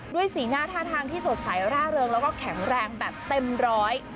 สีหน้าท่าทางที่สดใสร่าเริงแล้วก็แข็งแรงแบบเต็มร้อย